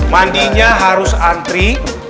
mandinya harus antri